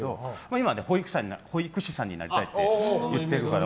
今、保育士さんになりたいって言ってるから。